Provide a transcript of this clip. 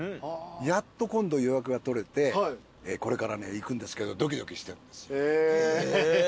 やっと今度予約が取れてこれからね行くんですけどドキドキしてるんですよ。